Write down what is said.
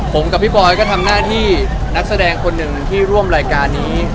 ผมกับพี่บอยก็ทำหน้าที่นักแสดงคนหนึ่งที่ร่วมรายการนี้